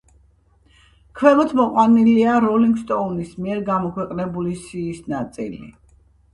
ქვემოთ მოყვანილია „როლინგ სტოუნის“ მიერ გამოქვეყნებული სიის ნაწილი.